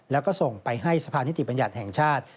แล้วก็ส่งไปให้สภานิติบัญญัติแห่งชาติ